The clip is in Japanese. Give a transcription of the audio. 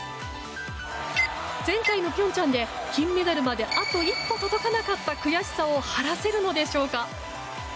前回の平昌で金メダルまであと一歩届かなかった悔しさを晴らせるのでしょうか。